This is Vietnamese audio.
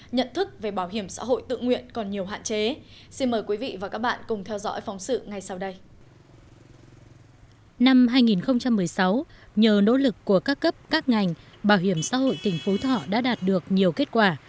nhờ nỗ lực của các cấp các ngành bảo hiểm xã hội tỉnh phú thỏ đã đạt được nhiều kết quả